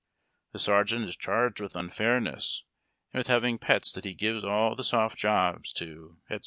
The sergeant is charged with unfairness, and with having pets that he gives all the " soft jobs " to, etc.